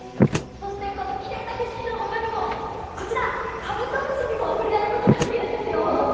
このきれいな景色の他にもカブトムシにも触れ合うことができるんですよ。